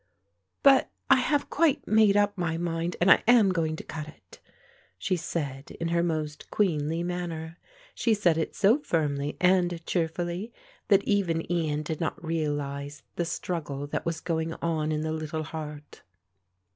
"But I have quite made up my mind and I am going to cut it," she said in her most queenly manner. She said it so firmly and cheerfully that even Ian did not realise the struggle that was going on in the little heart.